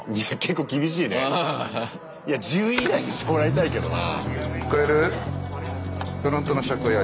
いや１０位以内にしてもらいたいけどな。